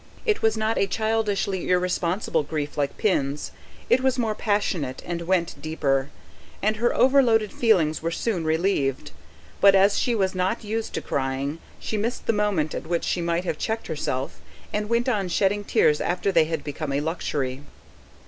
It was not a childishly irresponsible grief like Pin's: it was more passionate, and went deeper; and her overloaded feelings were soon relieved. But as she was not used to crying, she missed the moment at which she might have checked herself, and went on shedding tears after they had become a luxury.